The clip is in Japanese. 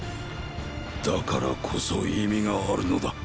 だからこそ意味があるのだ。